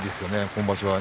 今場所は。